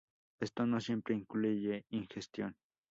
Esta no siempre incluye ingestión.